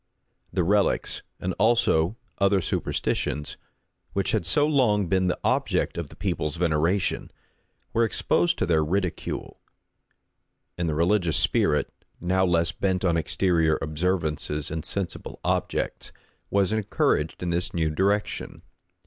The relics also and other superstitions, which had so long been the object of the people's veneration, were exposed to their ridicule; and the religious spirit, now less bent on exterior observances and sensible objects, was encouraged in this new direction.